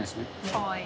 かわいい。